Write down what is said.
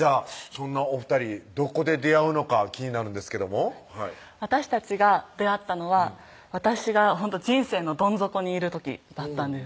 そんなお２人どこで出会うのか気になるんですけども私たちが出会ったのは私が人生のどん底にいる時だったんです